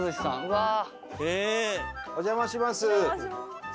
お邪魔します。